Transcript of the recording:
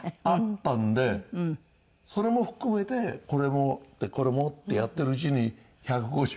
あったのでそれも含めてこれもこれもってやってるうちに１５０袋。